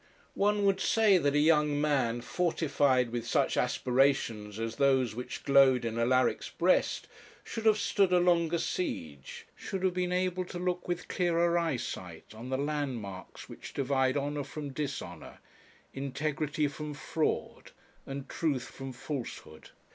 One would say that a young man, fortified with such aspirations as those which glowed in Alaric's breast, should have stood a longer siege; should have been able to look with clearer eyesight on the landmarks which divide honour from dishonour, integrity from fraud, and truth from falsehood.